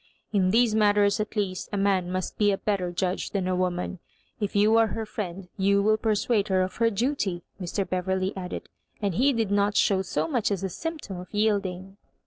In these matters, at least, a man must be a better judge than a woman: If you are her fViend you will persuade her of her duty," Mr. Beverley added ; and he did not show so much as a symp tom of yielding.